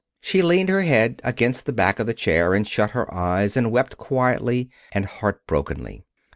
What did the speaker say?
She leaned her head against the back of the chair, and shut her eyes and wept quietly and heart brokenly.